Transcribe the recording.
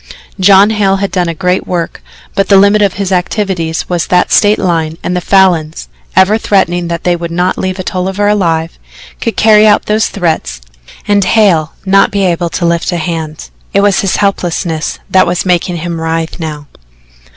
John Hale had done a great work, but the limit of his activities was that State line and the Falins, ever threatening that they would not leave a Tolliver alive, could carry out those threats and Hale not be able to lift a hand. It was his helplessness that was making him writhe now.